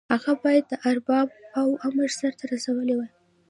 هغه باید د ارباب اوامر سرته رسولي وای.